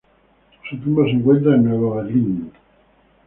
Su tumba se encuentra en Nuevo Berlín.